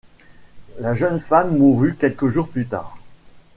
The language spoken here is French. La jeune femme mourut quelques jours plus tard.